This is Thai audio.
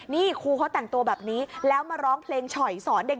นี่ครูเขาแต่งตัวแบบนี้แล้วมาร้องเพลงฉ่อยสอนเด็ก